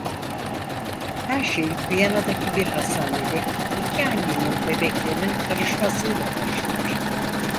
Her şey Viyana'daki bir hastanede iki annenin bebeklerinin karışmasıyla başlar.